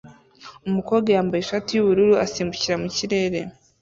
Umukobwa yambaye ishati yubururu asimbukira mu kirere